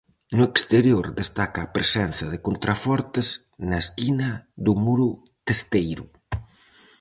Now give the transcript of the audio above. No exterior, destaca a presenza de contrafortes na esquina do muro testeiro.